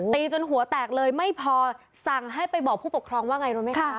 ตีจนหัวแตกเลยไม่พอสั่งให้ไปบอกผู้ปกครองว่าไงรู้ไหมคะ